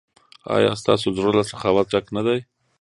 ایا ستاسو زړه له سخاوت ډک نه دی؟